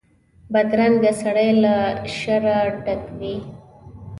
بدرنګه سړی له شره ډک وي